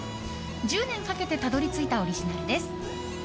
１０年かけてたどり着いたオリジナルです。